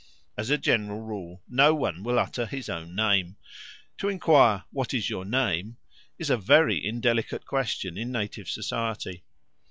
As a general rule no one will utter his own name. To enquire, "What is your name?" is a very indelicate question in native society.